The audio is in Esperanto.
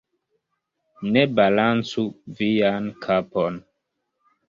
Ne balancu vian kapon.